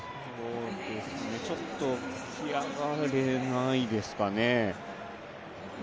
ちょっと起き上がれないですかね。